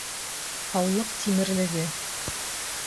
Һаулыҡ тимерлеге